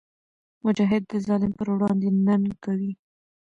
مجاهد د ظالم پر وړاندې ننګ کوي.